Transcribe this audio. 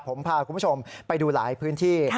ผมพาคุณผู้ชมไปดูหลายพื้นที่